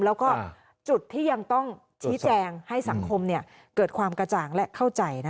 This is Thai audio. แล้วก็จุดที่ยังต้องชี้แจงให้สังคมเกิดความกระจ่างและเข้าใจ